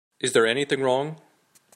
Is there anything wrong?